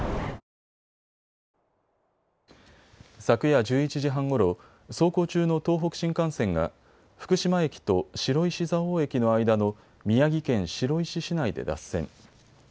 昨夜１１時半ごろ、走行中の東北新幹線が福島駅と白石蔵王駅の間の宮城県白石市内で脱線。